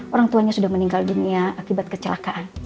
orang tuanya sudah meninggal dunia akibat kecelakaan